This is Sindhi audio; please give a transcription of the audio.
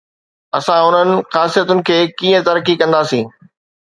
اسان انهن خاصيتن کي ڪيئن ترقي ڪنداسين؟